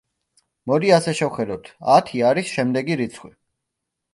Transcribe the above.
მოდი ასე შევხედოთ: ათი არის შემდეგი რიცხვი.